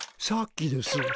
さっきです。